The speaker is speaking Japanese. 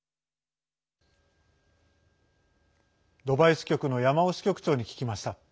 ドバイ支局の山尾支局長に聞きました。